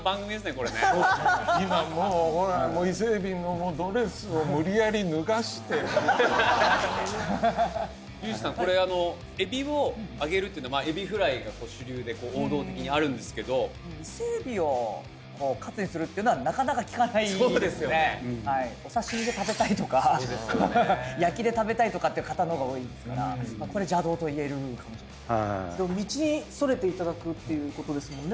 これね今もうほら伊勢海老のドレスを無理やり脱がしてリュウジさんこれ海老を揚げるっていうのは海老フライが主流で王道的にあるんですけど伊勢海老をカツにするっていうのはなかなか聞かないそうですよねお刺身で食べたいとかそうですよね焼きで食べたいとかって方のほうが多いですからこれ邪道と言えるかもしれない道それていただくっていうことですもんね